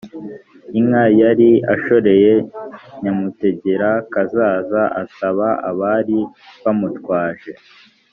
inka yari ashoreye nyamutegerakazaza asaba abari bamutwaje